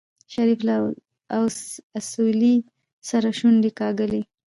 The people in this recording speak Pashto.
شريف له اسويلي سره شونډې کېکاږلې.